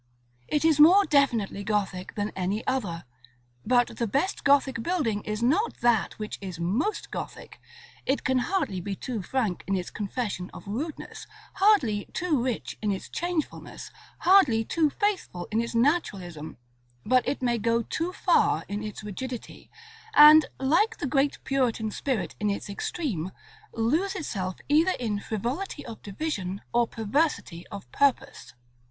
It is more definitely Gothic than any other, but the best Gothic building is not that which is most Gothic: it can hardly be too frank in its confession of rudeness, hardly too rich in its changefulness, hardly too faithful in its naturalism; but it may go too far in its rigidity, and, like the great Puritan spirit in its extreme, lose itself either in frivolity of division, or perversity of purpose.